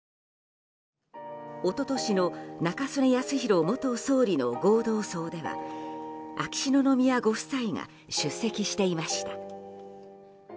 一昨年の中曽根康弘元総理の合同葬では秋篠宮ご夫妻が出席していました。